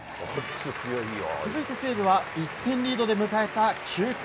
続いて、西武は１点リードで迎えた９回。